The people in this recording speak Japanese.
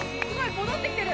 戻ってきてる！